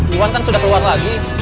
iwan kan sudah keluar lagi